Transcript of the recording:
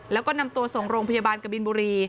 แล้วก็นำตัวส่งโรงพยาบาลกบินบุรี